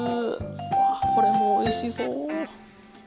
わぁこれもおいしそう。